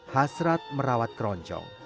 hasrat merawat keroncong